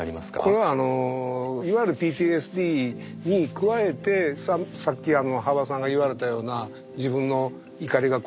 これはいわゆるＰＴＳＤに加えてさっき羽馬さんが言われたような自分の怒りがコントロールできなかったりとか